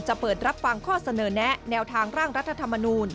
เปิดรับฟังข้อเสนอแนะแนวทางร่างรัฐธรรมนูล